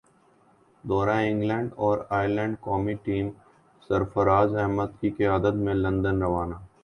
دورہ انگلینڈ اور ائرلینڈ قومی ٹیم سرفرازاحمد کی قیادت میں لندن روانہ